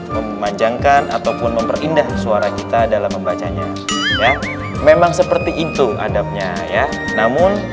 memajangkan ataupun memperindah suara kita dalam membacanya ya memang seperti itu adabnya ya namun